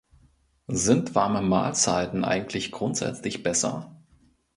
Sind warme Mahlzeiten eigentlich grundsätzlich besser?